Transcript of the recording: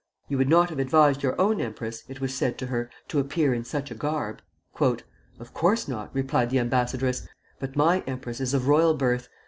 "You would not have advised your own empress," it was said to her, "to appear in such a garb." "Of course not," replied the ambassadress; "but my empress is of royal birth.